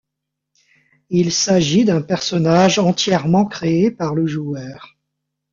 Il s'agit d'un personnage entièrement créé par le joueur.